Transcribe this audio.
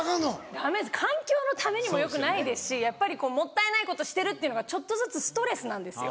ダメです環境のためにもよくないですしやっぱりもったいないことしてるっていうのがちょっとずつストレスなんですよ。